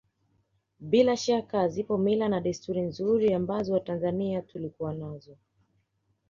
Bila shaka zipo mila na desturi nzuri ambazo watanzania tulikuwa nazo